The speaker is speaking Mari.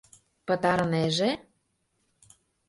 Пытарынеже...